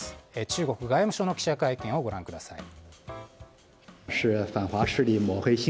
中国外務省の記者会見をご覧ください。